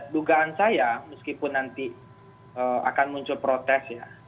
dugaan saya meskipun nanti akan muncul protes ya